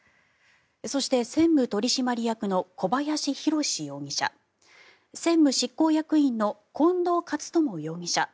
そして専務取締役の小林廣容疑者専務執行役員の近藤克朋容疑者。